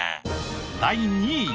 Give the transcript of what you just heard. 第２位。